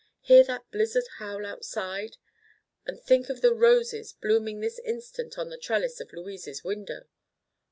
Hear that blizzard howl outside, and think of the roses blooming this instant on the trellis of Louise's window.